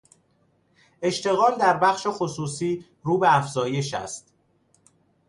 اشتغال در بخش خصوصی رو به افزایش است.